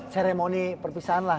ceremony perpisahan lah